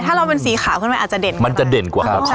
ถ้าเราเป็นสีขาวขึ้นไปอาจจะเด่นมันจะเด่นกว่าครับ